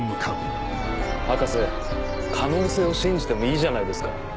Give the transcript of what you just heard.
博士可能性を信じてもいいじゃないですか。